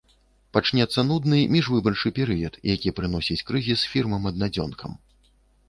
Пачнецца нудны міжвыбарчы перыяд, які прыносіць крызіс фірмам-аднадзёнкам.